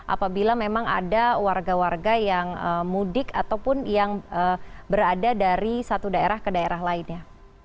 apabila memang ada warga warga yang mudik ataupun yang berada dari satu daerah ke daerah lainnya